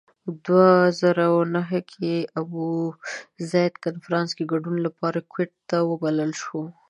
دوه زره نهه کې ابوزید کنفرانس کې ګډون لپاره کویت ته وبلل شو.